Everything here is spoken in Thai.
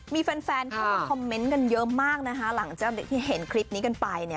มีแฟนเข้ามาคอมเมนต์กันเยอะมากนะคะหลังจากที่เห็นคลิปนี้กันไปเนี่ย